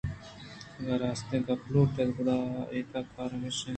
اگاں راستیں گپ ءَ لوٹ اِت گڑا آئیءِ اِدا کار ہمیش اِنت